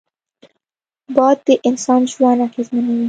باد د انسان ژوند اغېزمنوي